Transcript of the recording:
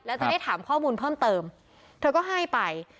แล้วจะได้ถามข้อมูลเพิ่มเติมเธอก็ให้ไป